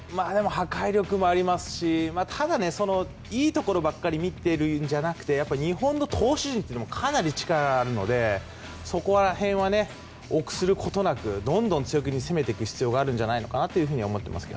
破壊力もありますがただ、いいところばかり見ているんじゃなくてやっぱり日本の投手陣もかなり力があるのでそこら辺は臆することなくどんどん強気で攻めていく必要があると思います。